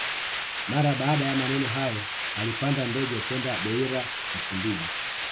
Mara baada ya maneno hayo alipanda ndege kwenda Beira Msumbiji